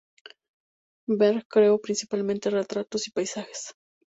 Bergh creo principalmente retratos y paisajes.